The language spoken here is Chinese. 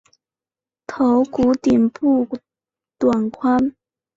头骨顶部短宽。